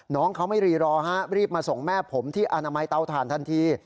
น้องเขาไม่รีรอฮะรีบมาส่งแม่ผมที่อนามัยเตาถ่านทันที